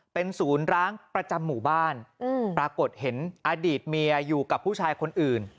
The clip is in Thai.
เป็นศูนย์ร้างประจำหมู่บ้านปรากฏเห็นอดีตเมียอยู่กับผู้ชายคนอื่น